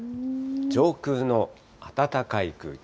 上空の暖かい空気。